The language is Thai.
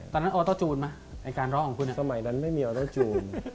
ตอนนั้นออเตอร์จูนมั้ยไอ้การร้องของคุณอะสมัยนั้นไม่มีออเตอร์จูน